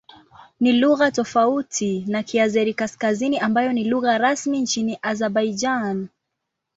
Ni lugha tofauti na Kiazeri-Kaskazini ambayo ni lugha rasmi nchini Azerbaijan.